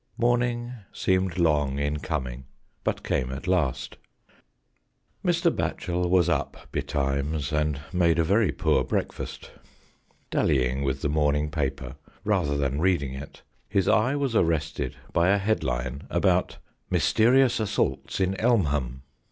Morning seemed long in coming, but came at last. Mr. Batchel was up betimes and made a very poor breakfast. Dallying vrith the morn ing paper, rather than reading it, his eye was arrested by a headline about "Mysterious assaults in Elmham."